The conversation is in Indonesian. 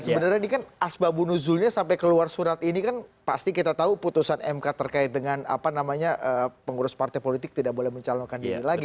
sebenarnya ini kan asbabunuzulnya sampai keluar surat ini kan pasti kita tahu putusan mk terkait dengan apa namanya pengurus partai politik tidak boleh mencalonkan diri lagi